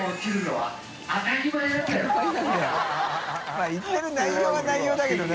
泙言ってる内容は内容だけどね。